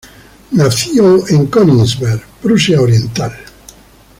Nació en Königsberg, Prusia Oriental.